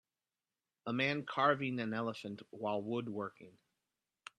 A man carving an elephant while woodworking